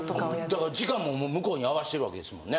だから時間ももう向こうに合わしてるわけですもんね？